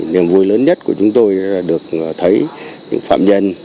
niềm vui lớn nhất của chúng tôi được thấy những phạm nhân